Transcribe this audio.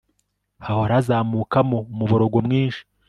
hahora hazamukamo umuborogo mwinshi